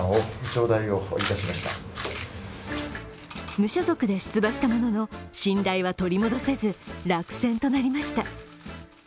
無所属で出馬したものの、信頼は取り戻せず、落選となりました。